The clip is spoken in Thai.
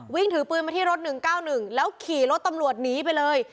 วิ่งถือปืนมาที่รถ๑๙๑แล้วขี่รถตำรวจหนีไปเลย